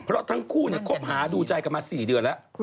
เพราะทั้งคู่คบหาดูใจกันมา๔เดือนแล้ว